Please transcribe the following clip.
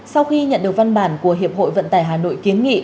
sau khi nhận được văn bản của hiệp hội vận tải hà nội kiến nghị